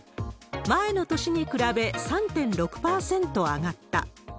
前の年に比べ３．６％上がった。